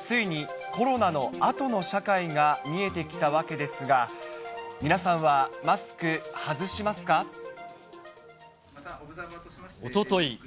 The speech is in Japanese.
ついにコロナのあとの社会が見えてきたわけですが、おととい。